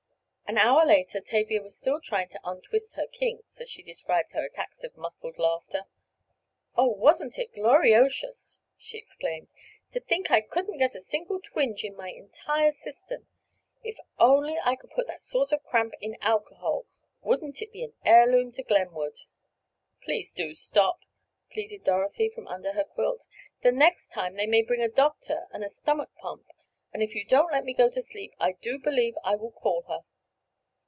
An hour later Tavia was still trying to "untwist her kinks," as she described her attacks of muffled laughter. "Oh, wasn't it gloriotious!" she exclaimed. "To think I couldn't get a single twinge in my entire system! If I only could put that sort of a cramp in alcohol, wouldn't it be an heirloom to Glenwood!" "Please do stop," pleaded Dorothy, from under her quilt. "The next time they may bring a doctor and a stomach pump, and if you don't let me go to sleep I do believe I will call her."